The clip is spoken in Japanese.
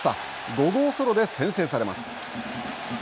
５号ソロで先制されます。